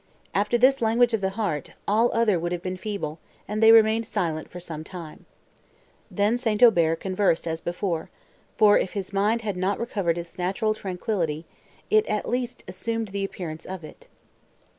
After this language of the heart, all other would have been feeble, and they remained silent for some time. Then, St. Aubert conversed as before; for, if his mind had not recovered its natural tranquillity, it at least assumed the appearance of it.